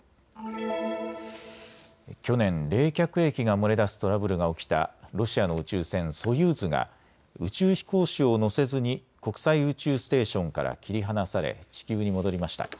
去年、冷却液が漏れ出すトラブルが起きたロシアの宇宙船ソユーズが宇宙飛行士を乗せずに国際宇宙ステーションから切り離され地球に戻りました。